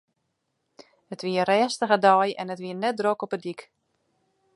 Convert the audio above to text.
It wie in rêstige dei en it wie net drok op 'e dyk.